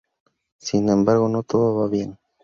Sin embargo, no todo va bien.